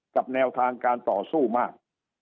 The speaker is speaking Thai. แนวทางการต่อสู้มาก